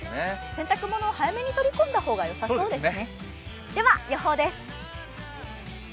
洗濯物を早めに取り込んだ方がよさそうですね。